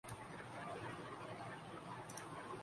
سوال یہ ہے کہ ہم کس دنیا کے مکین بننا چاہتے ہیں؟